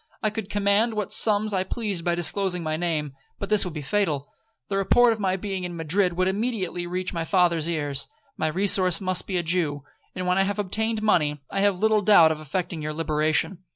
I could command what sums I pleased by disclosing my name, but this would be fatal. The report of my being in Madrid would immediately reach my father's ears. My resource must be a Jew; and when I have obtained money, I have little doubt of effecting your liberation.